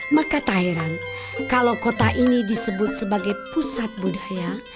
maka tak heran kalau kota ini disebut sebagai pusat budaya